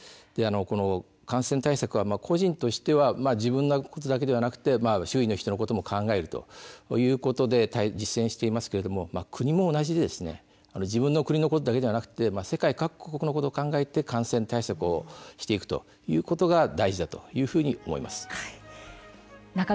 感染対策は個人としては自分のことだけではなく周囲の人のことを考えるということで実践していますけれどの国も同じで自分の国だけではなく世界各国のことを考えて感染対策をしていくということが大事だと思います。